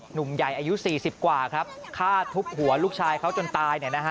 หนุ่มใหญ่อายุสี่สิบกว่าครับฆ่าทุบหัวลูกชายเขาจนตายเนี่ยนะฮะ